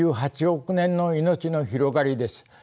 ３８億年の命の広がりです。